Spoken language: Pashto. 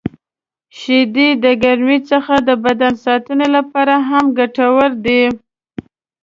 • شیدې د ګرمۍ څخه د بدن ساتنې لپاره هم ګټورې دي.